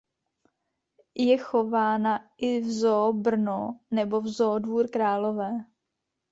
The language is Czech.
Je chována i v Zoo Brno nebo v Zoo Dvůr Králové.